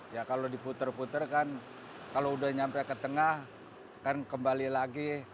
ya kalau diputer puter kan kalau udah nyampe ke tengah kan kembali lagi